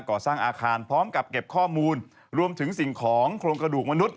ก่อสร้างอาคารพร้อมกับเก็บข้อมูลรวมถึงสิ่งของโครงกระดูกมนุษย